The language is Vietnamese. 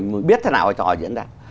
mình biết thế nào là trò diễn ra